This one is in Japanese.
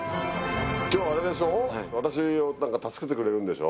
今日あれでしょ？